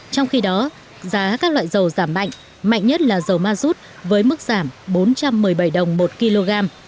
trong khi đó giá các loại dầu giảm mạnh mạnh nhất là dầu ma rút với mức giảm bốn trăm một mươi bảy đồng một kg